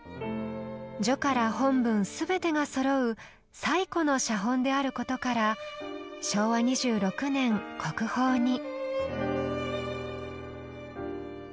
序から本文全てがそろう最古の写本であることから昭和２６年国宝に。